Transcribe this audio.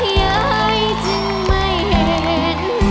ยายจึงไม่เห็น